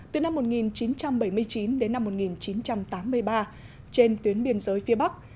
từ năm một nghìn chín trăm bảy mươi chín đến năm một nghìn chín trăm tám mươi ba trên tuyến biên giới phía bắc